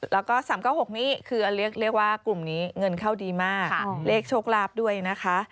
แล้วก็๓๙๖นี้คือเรียกว่ากลุ่มนี้เงินเข้าดีมากเลขโชคลาภด้วยนะคะ